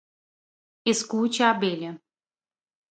escute a abelha